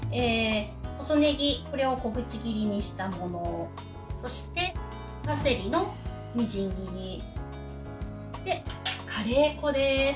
細ねぎこれを小口切りにしたものそして、パセリのみじん切りそして、カレー粉です。